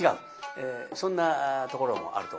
そんなところもあると思います。